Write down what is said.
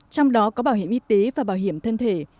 trong đó có bảo hiểm y tế và bảo hiểm thân thể